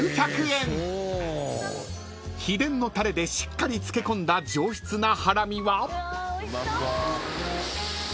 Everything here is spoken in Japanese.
［秘伝のタレでしっかり漬け込んだ上質なハラミは］